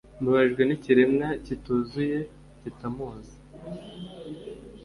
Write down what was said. mbabajwe nikiremwa kituzuye kitamuzi